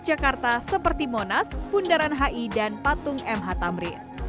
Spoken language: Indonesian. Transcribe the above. park jakarta seperti monas pundaran hi dan patung mh tamri